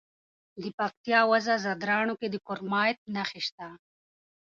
د پکتیا په وزه ځدراڼ کې د کرومایټ نښې شته.